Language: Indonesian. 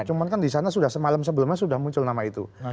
cuma kan di sana sudah semalam sebelumnya sudah muncul nama itu